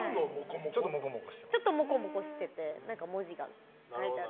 ちょっともこもこしてて文字が書いてある。